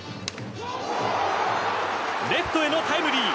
レフトへのタイムリー。